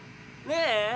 ねえ